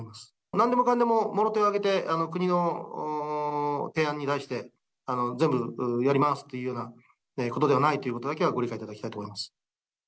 なんでもかんでももろ手を挙げて、国の提案に対して全部やりますというようなことではないということだけは、ご理解いただきたいと思います。